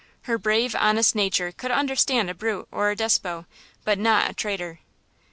Her brave, honest nature could understand a brute or a despot, but not a traitor.